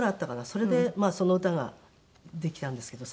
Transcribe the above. それでその歌ができたんですけど最初の。